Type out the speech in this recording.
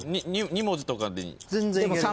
２文字とかでいい？